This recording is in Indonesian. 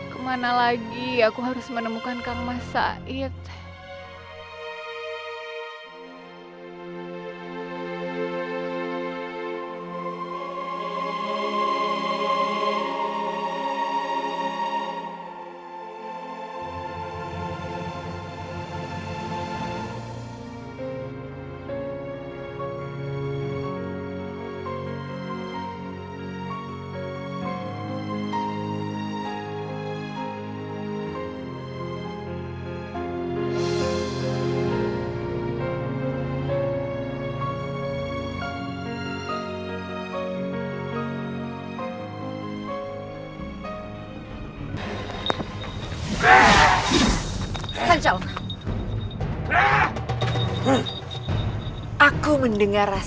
kemana lagi aku harus menemukan kang mas said